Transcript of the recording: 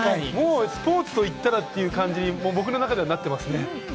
スポーツといったらという感じに僕の中ではなってますね。